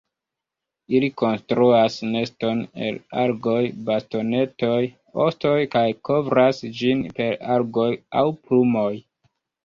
Ili konstruas neston el algoj, bastonetoj, ostoj kaj kovras ĝin per algoj aŭ plumoj.